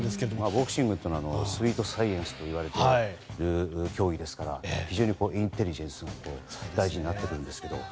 ボクシングってアスリートサイエンスって呼ばれるような競技ですから非常にインテリジェンスも大事になってくるんですけども。